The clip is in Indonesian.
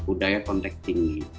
budaya kontek tinggi